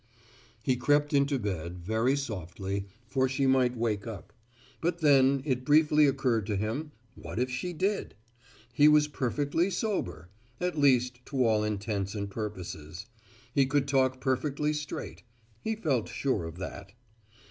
He crept into bed, very softly, for she might wake up. But then, it briefly occurred to him, what if she did! He was perfectly sober at least to all intents and purposes. He could talk perfectly straight; he felt sure of that.